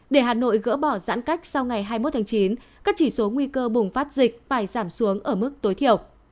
để hà nội gỡ bỏ giãn cách sau ngày hai mươi một tháng chín các chỉ số nguy cơ bùng phát dịch phải giảm xuống ở mức tối thiểu